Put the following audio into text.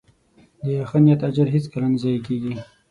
د ښه نیت اجر هیڅکله نه ضایع کېږي.